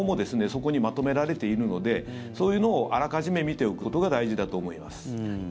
そこにまとめられているのでそういうのをあらかじめ見ておくことが大事だと思います。